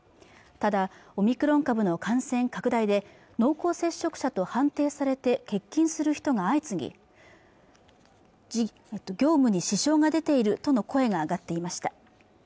ただオミクロン株の感染拡大で濃厚接触者と判定されて欠勤する人が相次ぎ業務に支障が出ているとの声が上がっていました